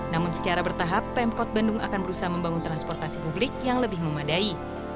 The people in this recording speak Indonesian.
namun secara bertahap pemkot bandung akan berusaha membangun transportasi publik yang lebih memadai